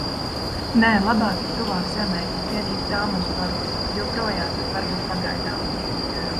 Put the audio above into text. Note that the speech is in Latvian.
Nē, labāk ir tuvāk zemei. Vienīgi tā mūs baro. Joprojām, bet varbūt pagaidām.